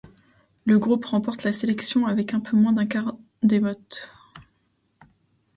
Le groupe remporte la sélection avec un peu moins d'un quart des votes.